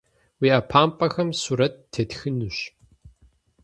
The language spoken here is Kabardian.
Уи ӏэпапӏэхэм сурэт тетхынущ.